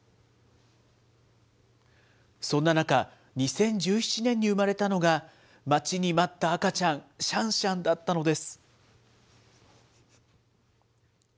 そんな中、２０１７年に生まれたのが、待ちに待った赤ちゃん、シャンシャンだったのです。